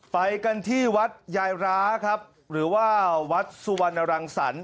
ไปกันที่วัดยายร้าครับหรือว่าวัดสุวรรณรังสรรค